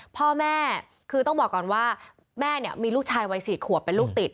พ่อแม่คือต้องบอกก่อนว่าแม่เนี่ยมีลูกชายวัย๔ขวบเป็นลูกติด